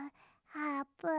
あーぷん！